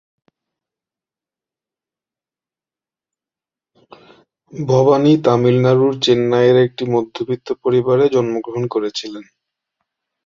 ভবানী তামিলনাড়ুর চেন্নাইয়ের একটি মধ্যবিত্ত পরিবারে জন্মগ্রহণ করেছিলেন।